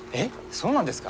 そうなんですか？